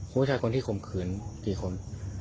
ผู้ชายคนที่ข่มขืนกี่คน